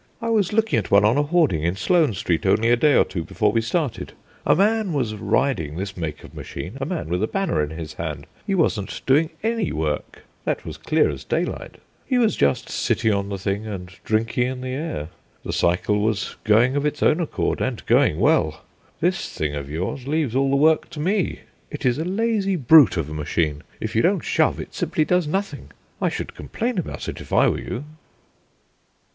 "I was looking at one on a hoarding in Sloane Street only a day or two before we started. A man was riding this make of machine, a man with a banner in his hand: he wasn't doing any work, that was clear as daylight; he was just sitting on the thing and drinking in the air. The cycle was going of its own accord, and going well. This thing of yours leaves all the work to me. It is a lazy brute of a machine; if you don't shove, it simply does nothing: I should complain about it, if I were you."